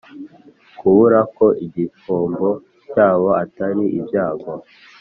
kubura ko igihombo cyabo atari ibyago,